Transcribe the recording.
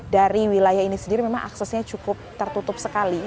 dari wilayah ini sendiri memang aksesnya cukup tertutup sekali